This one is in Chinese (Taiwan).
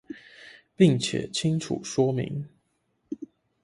並且清楚說明